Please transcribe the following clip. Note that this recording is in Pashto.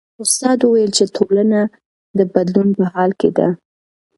استاد وویل چې ټولنه د بدلون په حال کې ده.